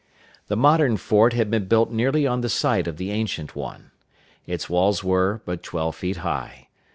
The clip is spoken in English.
The modern fort had been built nearly on the site of the ancient one. Its walls were but twelve feet high.